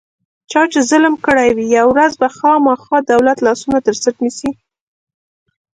چا چې ظلم کړی وي، یوه ورځ به یې خوامخا دولت لاسونه ترڅټ نیسي.